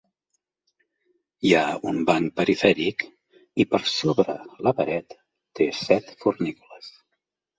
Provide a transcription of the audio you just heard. Hi ha un banc perifèric i per sobre la paret té set fornícules.